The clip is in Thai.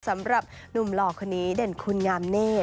สำหรับหนุ่มหล่อคนนี้เด่นคุณงามเนธ